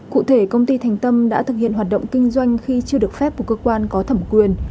cụ thể công ty thành tâm đã thực hiện hoạt động kinh doanh khi chưa được phép của cơ quan có thẩm quyền